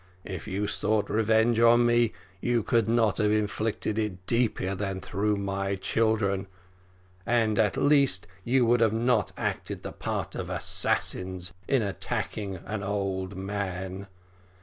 If you sought revenge on me, you could not have inflicted it deeper than through my children, and at least you would not have acted the part of assassins in attacking an old man.